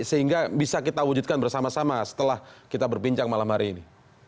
sehingga bisa kita wujudkan bersama sama setelah kita berbincang malam hari ini